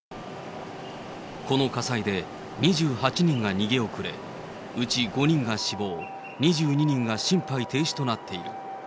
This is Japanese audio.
この火災で２８人が逃げ遅れ、うち５人が死亡、２２人が心肺停止となっている。